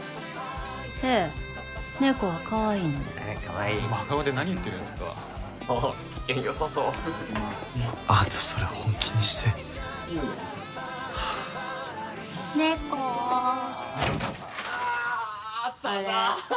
ええ猫はかわいいのではいかわいい真顔で何言ってるんすかあっ機嫌よさそうあんたそれ本気にしてはあ猫ああ朝だあれ？